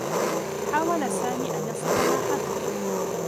حاول سامي أن يصف ما حدث.